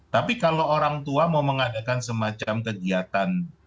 tapi kalau orang tua mau mengadakan semacam kegiatan